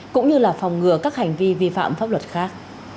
cũng như là phòng ngừa các hành vi vi phạm pháp luật khác